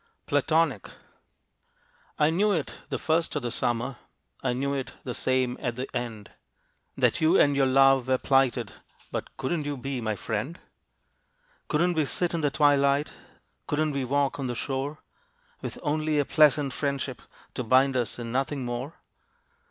PLATONIC. I knew it the first of the Summer I knew it the same at the end That you and your love were plighted, But couldn't you be my friend? Couldn't we sit in the twilight, Couldn't we walk on the shore, With only a pleasant friendship To bind us, and nothing more?